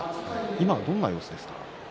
今どんな様子ですか。